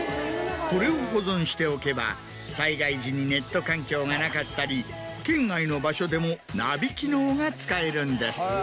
これを保存しておけば災害時にネット環境がなかったり圏外の場所でもナビ機能が使えるんです。